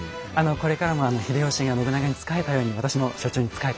これからも秀吉が信長に仕えたように私も所長に仕えて。